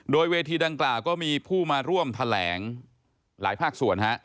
โดยเวทีดังกล่าวก็มีผู้มาร่วมแถลงหลายภาคส่วนฮะ